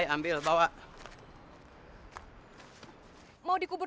tahu nggak dengan lili pun